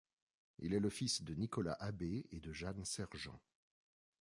Il est le fils de Nicolas Abbé et de Jeanne Sergent.